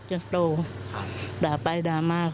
ลูกสาวกันโตเข้าไปทำงานแล้ว